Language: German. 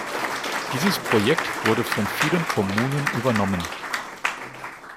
Dieses Projekt wurde von vielen Kommunen übernommen.